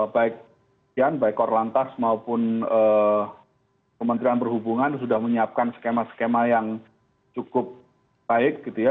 baik korlantas maupun kementerian perhubungan sudah menyiapkan skema skema yang cukup baik gitu ya